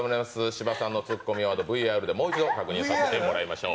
芝さんのツッコミワード、ＶＡＲでもう一度確認してもらいましょう。